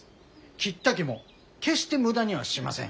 切った木も決して無駄にはしません。